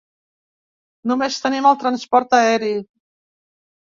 Només tenim el transport aeri.